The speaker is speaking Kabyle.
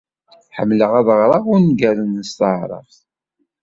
Ḥemmleɣ ad ɣreɣ ungalen s taɛṛabt.